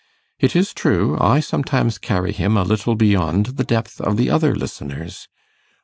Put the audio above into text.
It is true, I sometimes carry him a little beyond the depth of the other listeners.